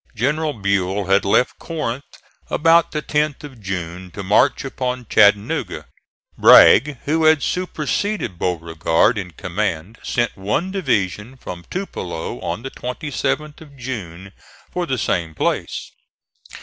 General Buell had left Corinth about the 10th of June to march upon Chattanooga; Bragg, who had superseded Beauregard in command, sent one division from Tupelo on the 27th of June for the same place.